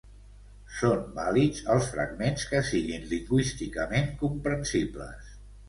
Són vàlids els fragments que siguen lingüísticament comprensibles.